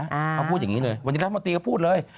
เขาพูดอย่างนี้เลยวันนี้รัฐมนตรีก็พูดเลย